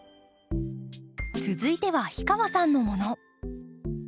続いては氷川さんのもの。